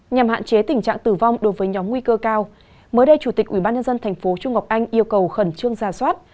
nhằm hạn chế tình trạng tử vong đối với nhóm nguy cơ cao mới đây chủ tịch ủy ban nhân dân thành phố trung ngọc anh yêu cầu khẩn trương ra soát